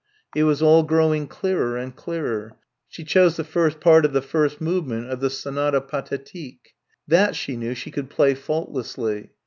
It was all growing clearer and clearer.... She chose the first part of the first movement of the Sonata Pathétique. That she knew she could play faultlessly.